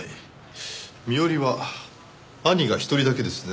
身寄りは兄が１人だけですね。